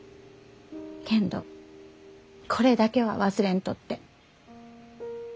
けんどこれだけは忘れんとって。